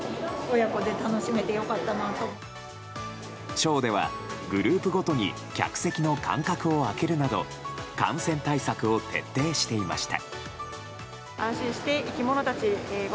ショーでは、グループごとに客席の間隔を空けるなど感染対策を徹底していました。